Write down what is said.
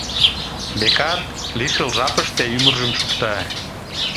Векат, лишыл жапыште ӱмыржым шукта.